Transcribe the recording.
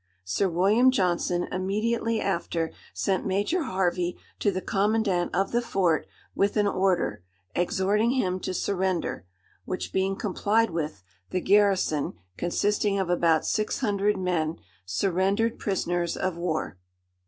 Sir William Johnson immediately after sent Major Harvey to the commandant of the fort, with an order, exhorting him to surrender, which being complied with, the garrison, consisting of about six hundred men, surrendered prisoners of war."